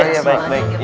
ya baik baik